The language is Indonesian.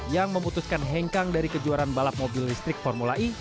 yang memutuskan hengkang dari kejuaraan balap mobil listrik formula e